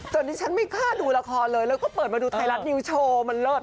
แต่ดิฉันไม่กล้าดูละครเลยแล้วก็เปิดมาดูไทยรัฐนิวโชว์มันเลิศ